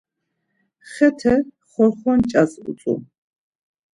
Xete xorxonç̌as uzdu.